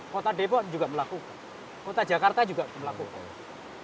kota depok juga melakukan kota jakarta juga melakukan